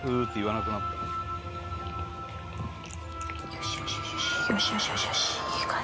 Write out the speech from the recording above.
よしよしよしいい感じ。